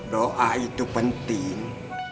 doa itu penting